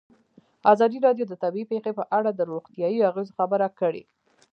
ازادي راډیو د طبیعي پېښې په اړه د روغتیایي اغېزو خبره کړې.